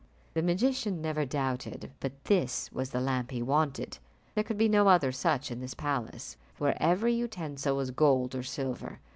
The magician never doubted but this was the lamp he wanted. There could be no other such in this palace, where every utensil was gold or silver.